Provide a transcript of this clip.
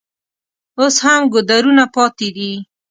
اوس هم ګودرونه پاتې دي.